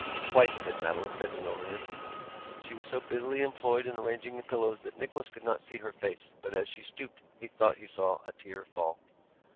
'Quite,' said Madeline, bending over him. She was so busily employed in arranging the pillows that Nicholas could not see her face, but as she stooped he thought he saw a tear fall.